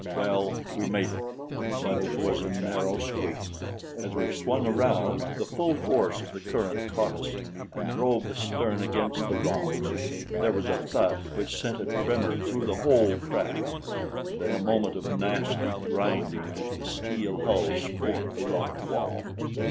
Well, we made it; but it was a narrow squeak. As we swung around, the full force of the current caught us and drove the stern against the rocks; there was a thud which sent a tremor through the whole craft, and then a moment of nasty grinding as the steel hull scraped the rock wall.